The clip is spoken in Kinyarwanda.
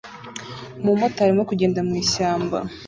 Umumotari arimo kugenda mu ishyamba